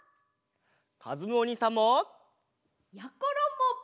かずむおにいさんも！やころも！